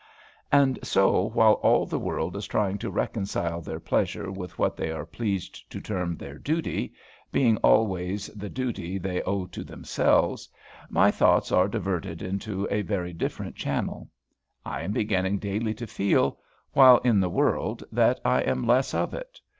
And so, while all the world is trying to reconcile their pleasure with what they are pleased to term their duty, being always the duty they owe to themselves, my thoughts are diverted into a very different channel. I am beginning daily to feel, while in the world, that I am less of it.